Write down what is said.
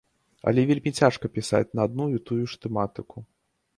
Але вельмі цяжка пісаць на адну і тую ж тэматыку.